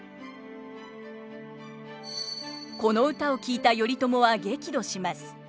この歌を聞いた頼朝は激怒します。